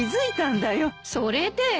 それで。